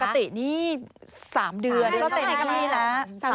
คือปกตินี่๓เดือนก็เต็มที่นี่แล้ว